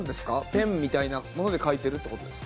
ペンみたいなもので描いてるっていう事ですか？